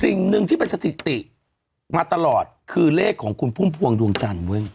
สิ่งหนึ่งที่เป็นสถิติมาตลอดคือเลขของคุณพุ่มพวงดวงจันทร์เว้ย